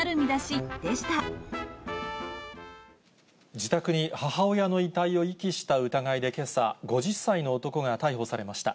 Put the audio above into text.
自宅に母親の遺体を遺棄した疑いでけさ、５０歳の男が逮捕されました。